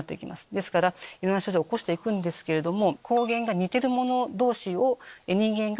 ですからいろんな症状起こしていくんですけれども。